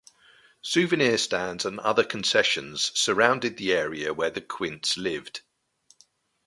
Souvenir stands and other concessions surrounded the area where the quints lived.